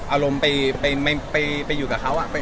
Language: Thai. อารมณ์ไปอยู่กับเขา